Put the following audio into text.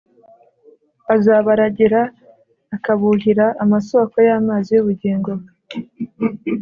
azabaragira akabuhira amasōko y’amazi y’ubugingo,